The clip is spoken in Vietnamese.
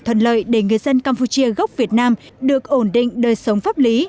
thuận lợi để người dân campuchia gốc việt nam được ổn định đời sống pháp lý